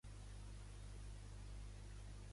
Què no havia finalitzat en l'esperit de don Gaspar?